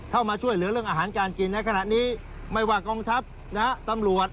เข้ามาช่วยเหลือเรื่องอาหารการกินในขณะนี้ไม่ว่ากองทัพนะฮะตำรวจ